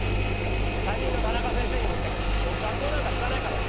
担任のタナカ先生にも言ったけど僕学校なんか行かないからね。